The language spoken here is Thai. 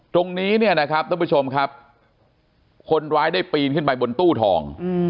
ตรงนี้เนี่ยนะครับท่านผู้ชมครับคนร้ายได้ปีนขึ้นไปบนตู้ทอง